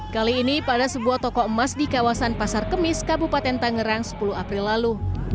kali ini pada sebuah toko emas di kawasan pasar kemis kabupaten tangerang sepuluh april lalu